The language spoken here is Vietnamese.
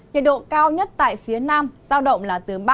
nhiệt độ cao nhất tại phía nam giao động là từ ba mươi một ba mươi bốn độ